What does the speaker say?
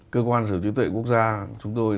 cơ quan sở hữu trí tuệ quốc gia chúng tôi